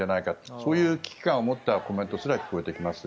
そういう危機感を持ったコメントすら聞こえてきます。